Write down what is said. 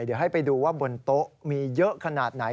เดี๋ยวให้ไปดูว่าบนโต๊ะมีเยอะขนาดไหน